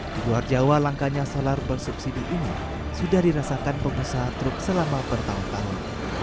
di luar jawa langkanya solar bersubsidi ini sudah dirasakan pengusaha truk selama bertahun tahun